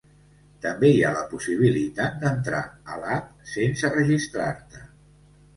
També hi ha la possibilitat d'entrar a l'app sense registrar-te.